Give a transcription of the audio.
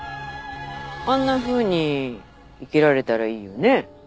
あんなふうに生きられたらいいよね。